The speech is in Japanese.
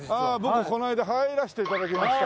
僕この間入らせて頂きました。